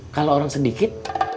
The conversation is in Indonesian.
kalau orang sedikit